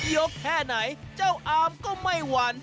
กแค่ไหนเจ้าอามก็ไม่หวั่น